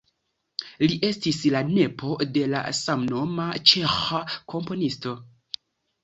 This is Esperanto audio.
Li estis la nepo de la samnoma ĉeĥa komponisto.